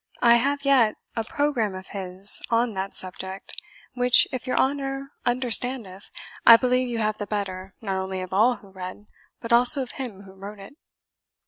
I have yet a programme of his on that subject, which, if your honour understandeth, I believe you have the better, not only of all who read, but also of him who wrote it."